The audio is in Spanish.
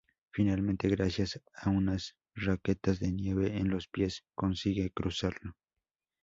Finalmente gracias a unas raquetas de nieve en los pies, consigue cruzarlo.